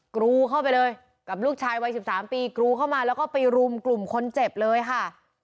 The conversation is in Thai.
กรูเข้าไปเลยกับลูกชายวัย๑๓ปีกรูเข้ามาแล้วก็ไปรุมกลุ่มคนเจ็บเลยค่ะ